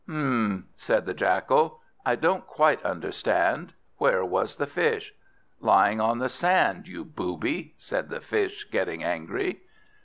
"Hm," said the Jackal, "I don't quite understand. Where was the Fish?" "Lying on the sand, you booby," said the Fish, getting angry.